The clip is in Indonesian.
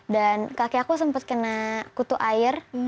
dan kakek aku sempat kena kutu air